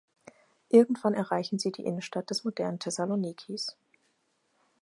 Irgendwann erreichen sie die Innenstadt des modernen Thessalonikis.